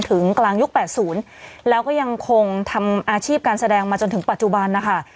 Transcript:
ถึงกลางยุค๘๐แล้วก็ยังคงทำอาชีพการแสดงมาจนถึงปัจจุบันนะคะ